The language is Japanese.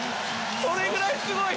それぐらいすごい。